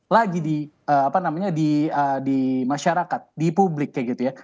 lagi di apa namanya di masyarakat di publik kayak gitu ya